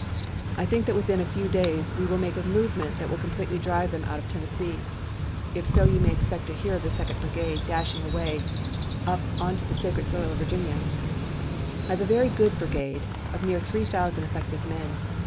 I think that within a few days we will make a movement that will completely drive them out of Tennessee. If so you may expect to hear of the Second Brigade dashing away up onto the sacred soil of Virginia. I have a very good brigade of near three thousand effective men.